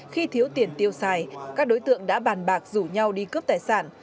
khi thiếu tiền tiêu xài các đối tượng đã bàn bạc rủ nhau đi cướp tài sản